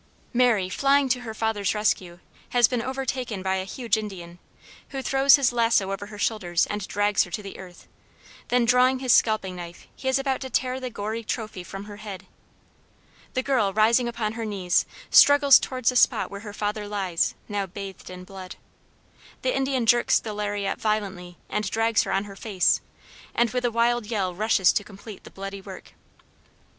Mary, flying to her father's rescue, has been overtaken by a huge Indian, who throws his lasso over her shoulders and drags her to the earth, then drawing his scalping knife he is about to tear the gory trophy from her head. The girl, rising upon her knees, struggles towards the spot where her father lies, now bathed in blood. The Indian jerks the lariat violently and drags her on her face, and with a wild yell rushes to complete the bloody work.